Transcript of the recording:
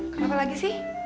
kenapa lagi sih